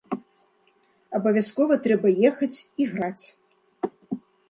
Абавязкова трэба ехаць і граць!